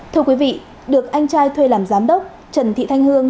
thưa quý vị được anh trai thuê làm giám đốc trần thị thanh hương